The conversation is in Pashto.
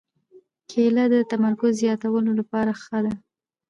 کېله د تمرکز زیاتولو لپاره ښه ده.